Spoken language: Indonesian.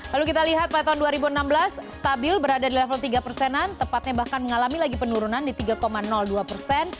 lalu kita lihat pada tahun dua ribu enam belas stabil berada di level tiga persenan tepatnya bahkan mengalami lagi penurunan di tiga dua persen